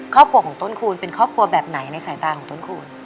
ครอบครัวของต้นคูณเป็นครอบครัวแบบไหนในสายตาของต้นคูณ